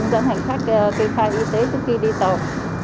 dẫn hành khách kê khai y tế trước khi đi tàu